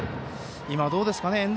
今、どうですかね。